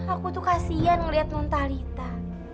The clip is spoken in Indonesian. aku tuh kasian ngeliat nontalita